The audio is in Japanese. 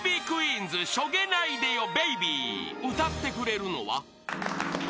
［歌ってくれるのは］